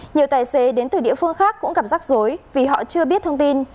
nhiều tài xế đến từ địa phương khác cũng gặp rắc rối vì họ chưa biết thông tin